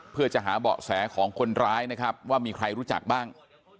เพื่อจะหาเบาะแสของคนร้ายนะครับว่ามีใครรู้จักบ้าง